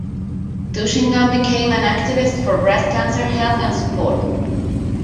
Tushingham became an activist for breast cancer health and support.